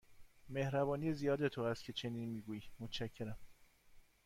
مهربانی زیاد تو است که چنین می گویی، متشکرم.